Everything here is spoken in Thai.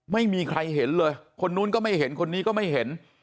ไม่มีใครเห็นเลยคนนู้นก็ไม่เห็นคนนี้ก็ไม่เห็น